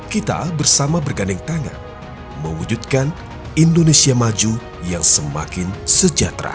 kita bersama bergandeng tangan mewujudkan indonesia maju yang semakin sejahtera